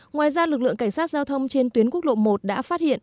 ngoài ra lực lượng cảnh sát giao thông trên tuyến quốc lộ một đã phát hiện